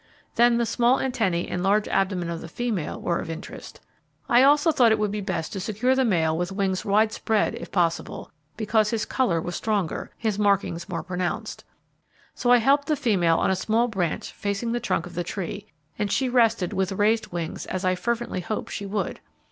Then the smaller antennae and large abdomen of the female were of interest. I also thought it would be best to secure the male with wings widespread if possible, because his colour was stronger, his markings more pronounced. So I helped the female on a small branch facing the trunk of the tree, and she rested with raised wings as I fervently hoped she would.